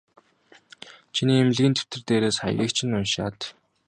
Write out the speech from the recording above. Чиний эмнэлгийн дэвтэр дээрээс хаягийг чинь уншаад.